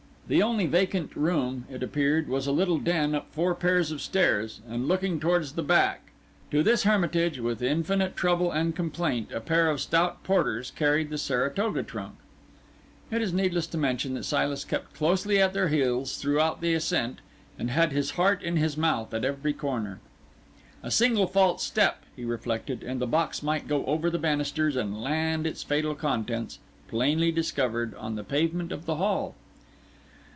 The only vacant room, it appeared, was a little den up four pairs of stairs, and looking towards the back. To this hermitage, with infinite trouble and complaint, a pair of stout porters carried the Saratoga trunk. It is needless to mention that Silas kept closely at their heels throughout the ascent, and had his heart in his mouth at every corner. A single false step, he reflected, and the box might go over the banisters and land its fatal contents, plainly discovered, on the pavement of the hall.